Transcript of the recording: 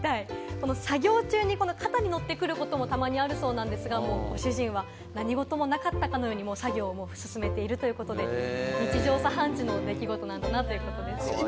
作業中に肩に乗ってくることも、たまにあるそうですが、ご主人は何事もなかったかのように作業を進めているということで、日常茶飯事の出来事なんだなということですね。